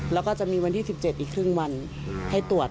แล้วก็จะมีวันที่๑๗อีกครึ่งวันให้ตรวจ